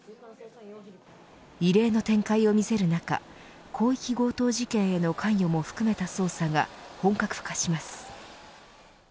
異例の展開を見せる中広域強盗事件への関与も含めた捜査が本格化します。